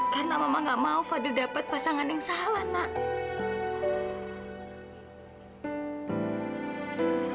karena mama gak mau fadil dapat pasangan yang salah nak